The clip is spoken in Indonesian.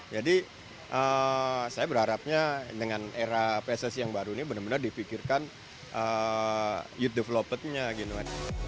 saya berharapnya dengan era pssi yang baru ini benar benar dipikirkan youth developernya gitu kan